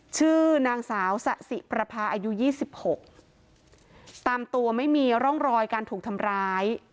ชื่อนางสาวสะสิประพาอายุยี่สิบหกตามตัวไม่มีร่องรอยการถูกทำร้าย